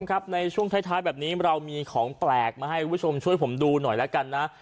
ครับในช่วงท้ายแบบนี้เรามีของแปลกมาให้คุณผู้ชมช่วยผมดูหน่อยแล้วกันนะ